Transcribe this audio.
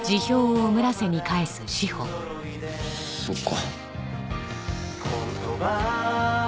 そっか。